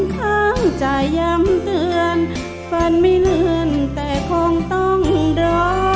ข้างจะย้ำเตือนฟันไม่เลื่อนแต่คงต้องรอ